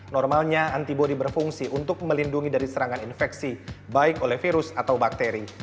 normalnya antibody berfungsi untuk melindungi dari serangan infeksi baik oleh virus atau bakteri